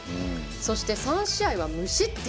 そして、３試合は無失点。